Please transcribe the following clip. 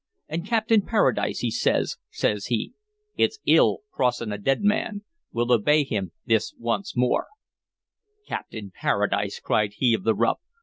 And Captain Paradise, he says, says he: 'It's ill crossing a dead man. We'll obey him this once more'" "Captain Paradise!" cried he of the ruff.